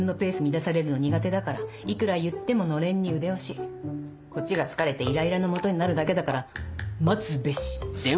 乱されるの苦手だからいくら言ってものれんに腕押しこっちが疲れてイライラのもとになるだけだから待つべし